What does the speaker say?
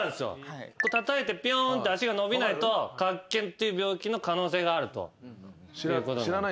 たたいてぴょんって足が伸びないとかっけっていう病気の可能性があるということ。